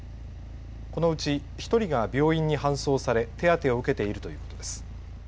このうち１人が病院に搬送され手当てを受けているということです。